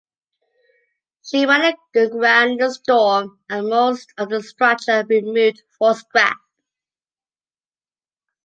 She ran aground in a storm and most of the structure removed for scrap.